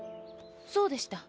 そうでした。